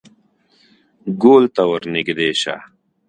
_ګول ته ور نږدې شه.